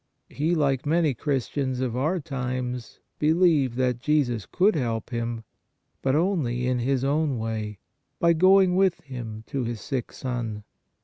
He, like many Christians of our times, believed that Jesus could help him, but only in his own way, by going with him to his sick son.